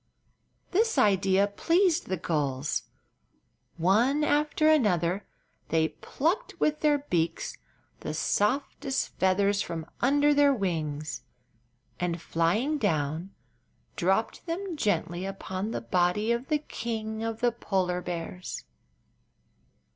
This idea pleased the gulls. One after another they plucked with their beaks the softest feathers from under their wings, and, flying down, dropped then gently upon the body of the King of the Polar Bears.